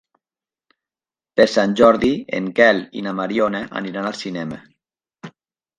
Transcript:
Per Sant Jordi en Quel i na Mariona aniran al cinema.